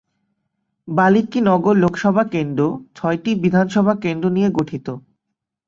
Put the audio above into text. বাল্মীকি নগর লোকসভা কেন্দ্র ছয়টি বিধানসভা কেন্দ্র নিয়ে গঠিত।